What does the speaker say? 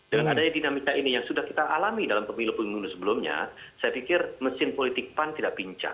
dengan adanya dinamika ini yang sudah kita alami dalam pemilu pemilu sebelumnya saya pikir mesin politik pan tidak pincang